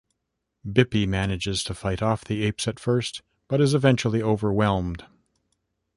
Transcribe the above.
Bippy manages to fight off the apes at first, but is eventually overwhelmed.